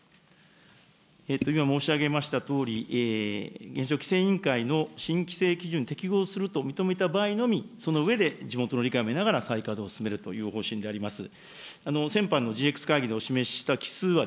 今申し上げましたとおり、原子力規制委員会の新規制基準に適合すると認めた場合のみ、その上で地元の理解も得ながら、再稼働を進めるという方針であります。